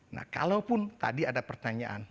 nah kalaupun tadi ada pertanyaan